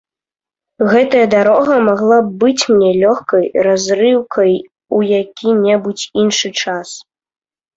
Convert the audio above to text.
Гэтая дарога магла б быць мне лёгкай разрыўкай у які-небудзь іншы час.